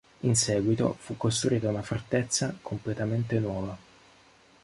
In seguito, fu costruita una fortezza completamente nuova.